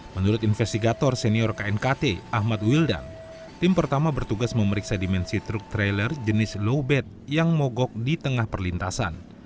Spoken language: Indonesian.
menurut investigator senior knkt ahmad wildan tim pertama bertugas memeriksa dimensi truk trailer jenis low bed yang mogok di tengah perlintasan